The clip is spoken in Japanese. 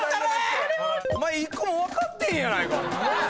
お前１個も分かってへんやないか！